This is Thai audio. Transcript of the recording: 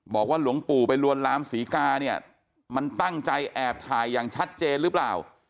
บอกว่าหลวงปู่ไปลวนลามศรีกาเนี่ยมันตั้งใจแอบถ่ายอย่างชัดเจนหรือเปล่า